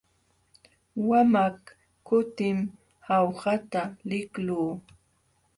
Wamaq kutim Jaujata liqluu.